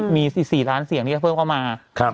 มี๔ล้านเสียงที่จะเพิ่มเข้ามา